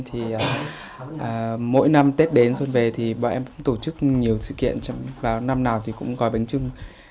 thì mỗi năm tết đến xuân về thì bọn em tổ chức nhiều sự kiện vào năm nào thì cũng gói bánh trưng